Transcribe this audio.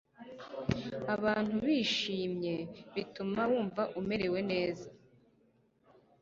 abantu bishimye bituma wumva umerewe neza